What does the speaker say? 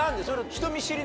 人見知り。